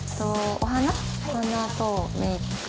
お花とメイク道具。